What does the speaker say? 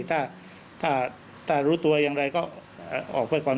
ถ้ารู้ตัวยังไรก็ออกไปก่อน